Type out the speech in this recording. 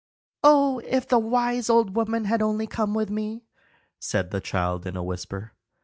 "Oh, if the wise old woman had only come with me!" said the child, in a whisper.